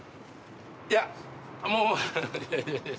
いやもういやいや。